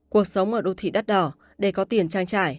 cuộc sống ở đô thị đắt đỏ để có tiền trang trải